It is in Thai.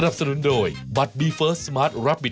โปรดติดตามตอนต่อไป